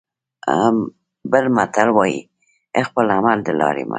بل متل وايي: خپل عمل د لارې مل.